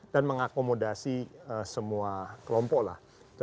dan mengakomodasi semua kelompok lah